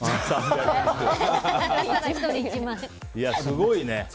すごいね。